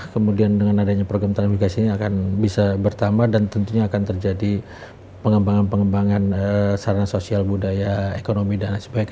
kemudian dengan adanya program transmigrasi ini akan bisa bertambah dan tentunya akan terjadi pengembangan pengembangan sarana sosial budaya ekonomi dan lain sebagainya